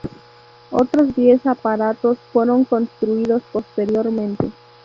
Otros diez aparatos fueron construidos posteriormente.